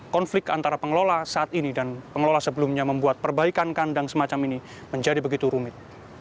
konflik antara pengelola saat ini dan pengelola sebelumnya membuat perbaikan kandang semacam ini menjadi begitu rumit